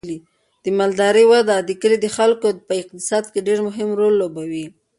د مالدارۍ وده د کلي د خلکو په اقتصاد کې ډیر مهم رول لوبوي.